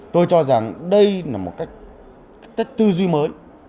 tôi cho rằng đây là một cách tư duy mới